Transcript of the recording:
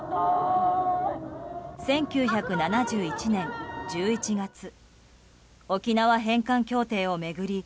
１９７１年１１月沖縄返還協定を巡り